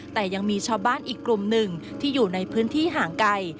แต่ยังมีชาวบ้านอีกกลุ่มหนึ่งที่อยู่ในพื้นที่ห่างไกล